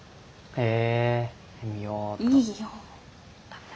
へえ。